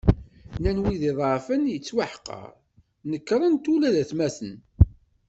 Nnan wi iḍeεfen yettweḥqer, nekkren-t ula d atmaten.